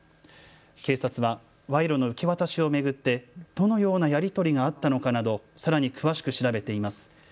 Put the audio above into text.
警察は賄賂の受け渡しを巡ってどのようなやり取りがあったのかなどさらに詳しく調べています。